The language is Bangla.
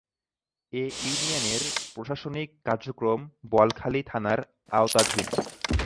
এ ইউনিয়নের প্রশাসনিক কার্যক্রম বোয়ালখালী থানার আওতাধীন।